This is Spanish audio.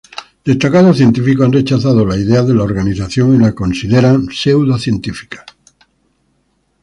Destacados científicos han rechazado las ideas de la organización y las consideran pseudocientíficas.